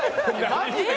マジで？